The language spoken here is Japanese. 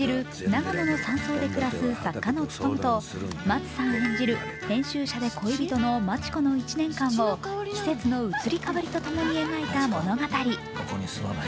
長野の山荘で暮らす作家のツトムと松さん演じる編集者で恋人の真知子の１年間を季節の移り変わりとともに描いた物語。